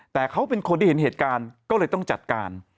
แต่เขาเป็นคนที่เห็นเหตุการณ์ก็เลยต้องจัดการ